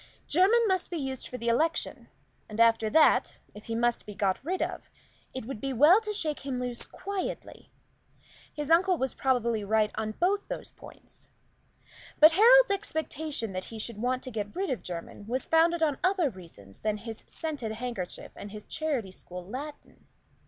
Jermyn must be used for the election, and after that if he must be got rid of, it would be well to shake him loose quietly; his uncle was probably right on both these points. But Harold's expectation that he should want to get rid of Jermyn was founded on other reasons than his scented handkerchief and his charity school Latin.